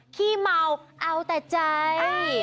ขี้เมาเอาแต่ใจ